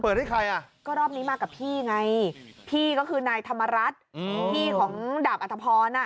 ให้ใครอ่ะก็รอบนี้มากับพี่ไงพี่ก็คือนายธรรมรัฐอืมพี่ของดาบอัธพรอ่ะ